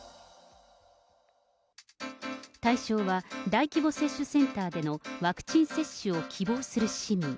対象は大規模接種センターでのワクチン接種を希望する市民。